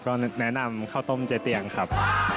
ก็แนะนำข้าวต้มเจ๊เตียงครับ